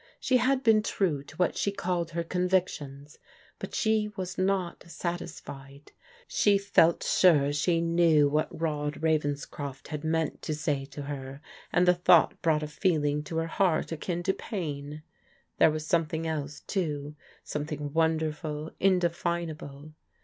She had been true to what she called her convictions, but she was not satisfied. She felt sure she knew what Rod Ravcnscroft had meant to say to her, and the thought brought a feeling to her heart akin to pain. There was something else, too, something wonderful, indefinable.